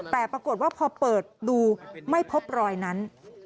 แต่ปรากฏว่าพอเปิดดูไม่พบรอยนั้น